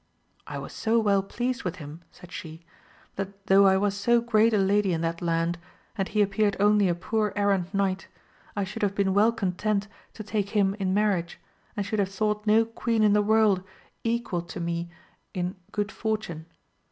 I was so well pleased with him, said she, that though I was so great a lady in that land, and he appeared only a poor errant knight, I should have' been well content to take him in marriage, and should have thought no queen in the world equal to me i^ 9—2 132 AMADIS OF GAUL. good fortune.